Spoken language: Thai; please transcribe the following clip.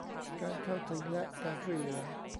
การเข้าถึงและการช่วยเหลือ